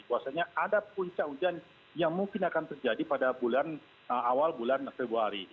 bahwasanya ada puncak hujan yang mungkin akan terjadi pada awal bulan februari